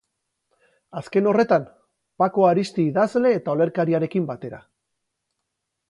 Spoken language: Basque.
Azken horretan, Pako Aristi idazle eta olerkariarekin batera.